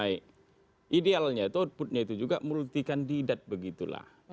baik idealnya outputnya itu juga multi kandidat begitulah